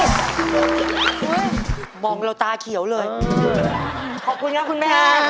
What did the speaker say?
ขอบคุณครับคุณแม่ขอบคุณมากค่ะขอบคุณครับ